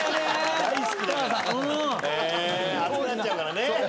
熱くなっちゃうからね。